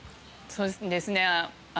そうですね。